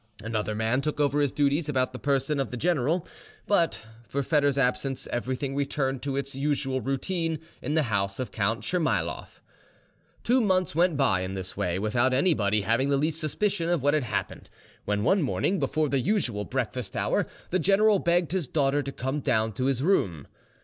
Another man took over his duties about the person of the general, and but for Foedor's absence everything returned to its usual routine in the house of Count Tchermayloff. Two months went by in this way, without anybody having the least suspicion of what had happened, when one morning before the usual breakfast hour the general begged his daughter to come down to his room.